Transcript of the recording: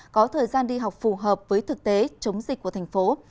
có thời gian đi học phù hợp với thực tế chống dịch của thành phố